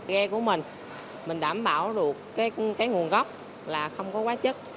ghe của mình mình đảm bảo được cái nguồn gốc là không có hóa chất